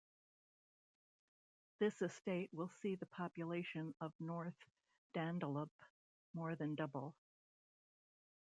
This estate will see the population of North Dandalup more than double.